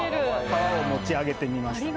皮を持ち上げてみました。